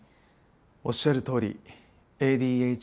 おっしゃるとおりＡＤＨＤ注意欠如